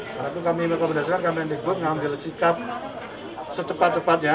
karena itu kami merekomendasikan kemendikbud mengambil sikap secepat cepatnya